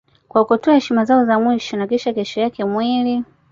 Kwa kutoa heshima zao za mwisho na kisha kesho yake mwili